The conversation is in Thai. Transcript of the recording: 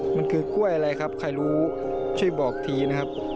มันคือกล้วยอะไรครับใครรู้ช่วยบอกทีนะครับ